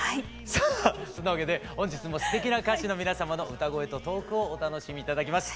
さあそんなわけで本日もすてきな歌手の皆様の歌声とトークをお楽しみいただきます。